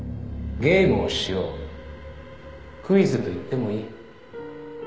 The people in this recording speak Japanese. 「ゲームをしよう」「クイズと言ってもいい」